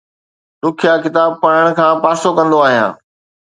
ڏکيا ڪتاب پڙهڻ کان پاسو ڪندو آهيان